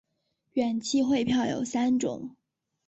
远期汇票有三种。